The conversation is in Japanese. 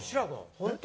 本当？